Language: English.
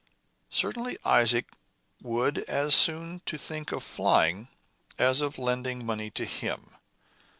Certainly Isaac would as soon think of flying, as of lending money to him.